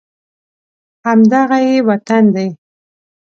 همدغه یې وطن دی